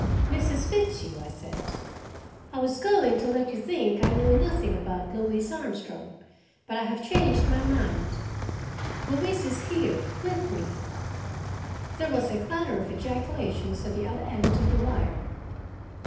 "Mrs. Fitzhugh," I said. "I was going to let you think I knew nothing about Louise Armstrong, but I have changed my mind. Louise is here, with me." There was a clatter of ejaculations at the other end of the wire.